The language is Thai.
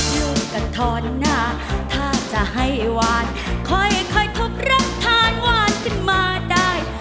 อยู่กับทอนหน้าถ้าจะให้หวานค่อยทบรับทานหวานขึ้นมาได้